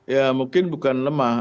ya mungkin bukan lemah